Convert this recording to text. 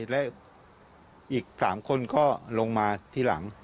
และอีก๓คนก็ลงมาทีหลัง